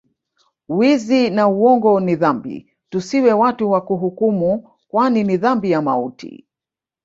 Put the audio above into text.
Wizi na uongo ni dhambi tusiwe watu wa kuhukumu kwani ni dhambi ya mauti